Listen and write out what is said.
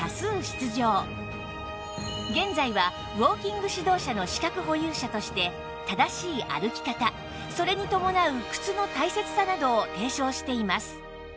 現在はウォーキング指導者の資格保有者として正しい歩き方それに伴う靴の大切さなどを提唱しています